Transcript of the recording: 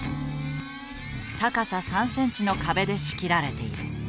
高さ３センチの壁で仕切られている。